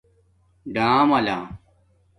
ڈآملہ